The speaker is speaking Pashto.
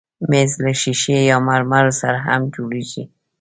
مېز له ښیښې یا مرمرو سره هم جوړېږي.